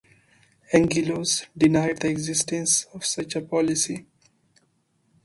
Angelos denied the existence of such a policy.